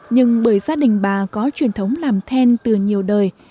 nhưng bởi gia đình bà có truyền thống làm then từ nhiều đời